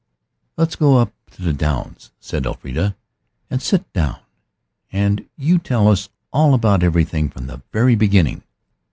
"Let's go up on the downs," said Elfrida, "and sit down, and you tell us all about everything from the very beginning."